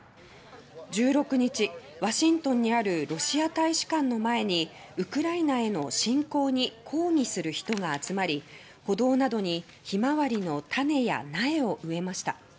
１６日、ワシントンにあるロシア大使館の前にウクライナへの侵攻に抗議する人が集まり歩道などにヒマワリの種や苗を植えました。